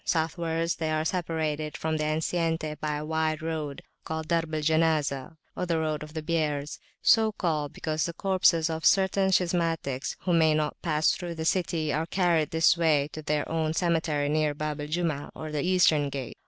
Southwards they are separated from the enceinte by a wide road, called the Darb al Janazah, the Road of Biers, so called because the corpses of certain schismatics, who may not pass through the city, are carried this way to their own cemetery near the Bab al Jumah, or Eastern Gate.